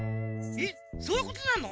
えっそういうことなの？